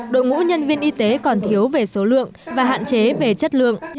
đội ngũ nhân viên y tế còn thiếu về số lượng và hạn chế về chất lượng